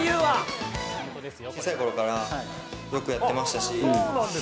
小さいころからよくやってましたし。